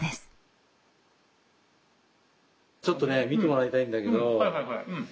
ちょっとね見てもらいたいんだけど。